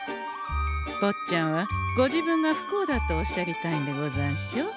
ぼっちゃんはご自分が不幸だとおっしゃりたいんでござんしょう？